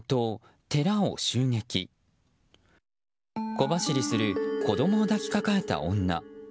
小走りする子供を抱きかかえた女。